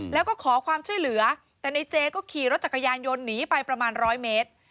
แล้วก็ขอความช่วยเหลือแต่ในเจก็ขี่รถจักรยานยนต์หนีไปประมาณร้อยเมตร